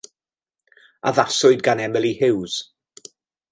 Addaswyd gan Emily Huws.